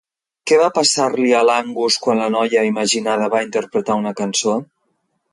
Què va passar-li a l'Angus quan la noia imaginada va interpretar una cançó?